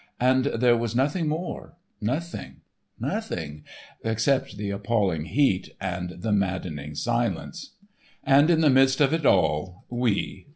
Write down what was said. And there was nothing more, nothing, nothing, except the appalling heat and the maddening silence. And in the midst of it all,—we.